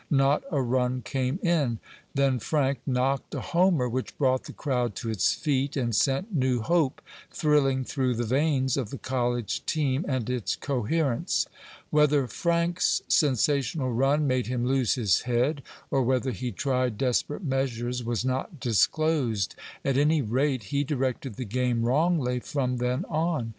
Not a run came in. Then Frank knocked a homer which brought the crowd to its feet and sent new hope thrilling through the veins of the college team and its coherents. Whether Frank's sensational run made him lose his head, or whether he tried desperate measures, was not disclosed. At any rate, he directed the game wrongly from then on.